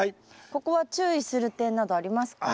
ここは注意する点などありますか？